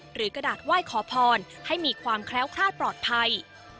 กระดาษไหว้ขอพรให้มีความแคล้วคลาดปลอดภัย